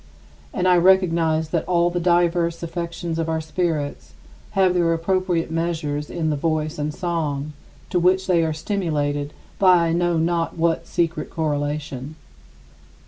And I recognize that all the diverse affections of our spirits have their appropriate measures in the voice and song, to which they are stimulated by I know not what secret correlation.